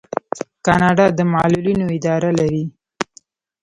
کاناډا د معلولینو اداره لري.